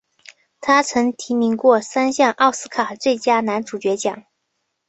他曾提名过三项奥斯卡最佳男主角奖。